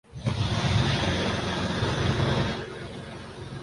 یاد رکھنا میں تمہیں دیکھ لوں گا